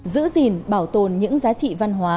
giữ gìn bảo tồn những giá trị văn hóa